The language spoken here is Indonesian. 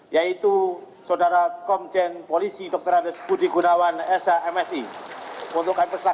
yaitu sodara komjen polisi dr andes budi gunawan s a msi